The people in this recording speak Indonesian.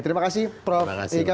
terima kasih prof aisyikam